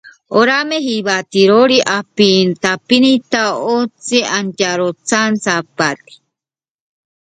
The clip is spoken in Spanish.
El tema principal se repite en cuatro ocasiones a lo largo de la pieza.